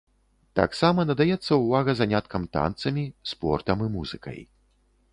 Таксама надаецца ўвага заняткам танцамі, спортам і музыкай.